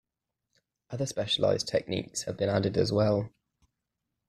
Other specialized techniques have been added as well.